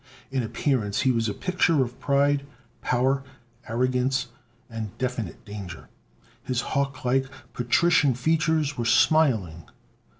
In appearance he was a picture of pride, power, arrogance, and definite danger. His hawk like, patrician features were smiling.